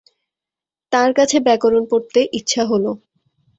তাঁর কাছে ব্যাকরণ পড়তে ইচ্ছা হল।